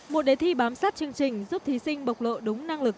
một đề thi bám sát chương trình giúp thí sinh bộc lộ đúng năng lực